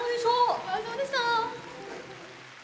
お疲れさまでした。